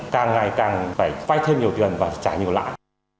càng ngày càng phải vay thêm nhiều tiền và trả nhiều lãi